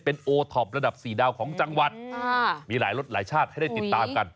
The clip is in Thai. เป็นโอท็อประดับสี่ดาวของจังหวัดมีหลายรสหลายชาติให้ได้ติดตามกัน